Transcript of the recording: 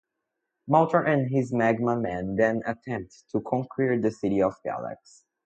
Moltar and his Magma Men then attempt to conquer the city of Galax.